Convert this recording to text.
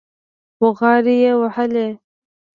بوغارې يې وهلې.